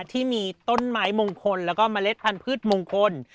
ที่มีต้นไม้มงคลแล้วก็เมล็ดพันธุ์มงคล